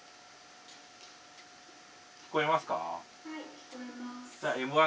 聞こえますか？